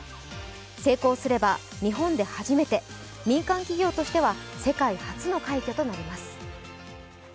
成功すれば日本で初めて民間企業としては世界初の快挙となります。